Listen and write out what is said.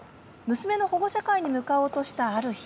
娘の保護者会に向かおうとしたある日。